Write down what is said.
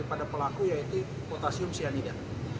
ada pelaku ya itu potasium cyanida